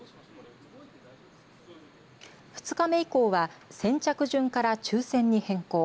２日目以降は先着順から抽せんに変更。